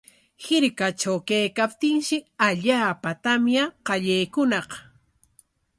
Hirkatraw kaykaptinshi allaapa tamya qallaykuñaq.